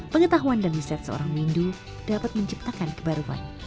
pengetahuan dan riset seorang windu dapat menciptakan kebaruan